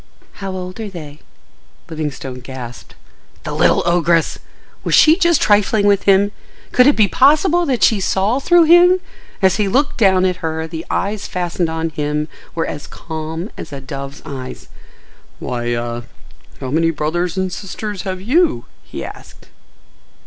"How old are they?" Livingstone gasped. The little ogress! Was she just trifling with him? Could it be possible that she saw through him? As he looked down at her the eyes fastened on him were as calm as a dove's eyes. "Why—ah—. How many brothers and sisters have you?" he asked.